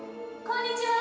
こんにちは。